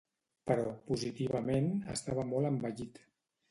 Però, positivament, estava molt envellit.